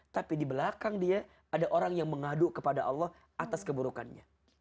tapi di belakang dia ada orang yang mengadu kepada allah atas keburukannya